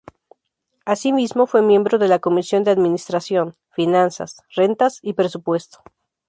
Asimismo, fue miembro de la comisión de Administración, Finanzas, Rentas y Presupuesto.